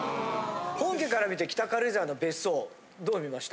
本家から見て北軽井沢の別荘どう見ました？